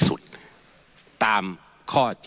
ขอบคุณครับขอบคุณครับ